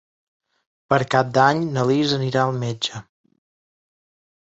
Per Cap d'Any na Lis anirà al metge.